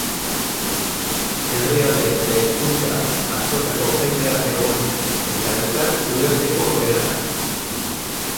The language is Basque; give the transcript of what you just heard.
Herrialde eta hizkuntza askotako jendea zegoen eta elkar ulertzeko beharra.